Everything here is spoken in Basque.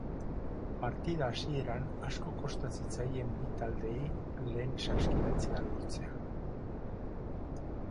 Partida hasieran asko kosta zitzaien bi taldeei lehen saskiratzea lortzea.